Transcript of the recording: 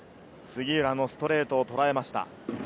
杉浦のストレートをとらえました。